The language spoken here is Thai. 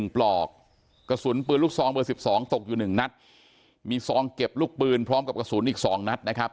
ปลอกกระสุนปืนลูกซองเบอร์๑๒ตกอยู่๑นัดมีซองเก็บลูกปืนพร้อมกับกระสุนอีก๒นัดนะครับ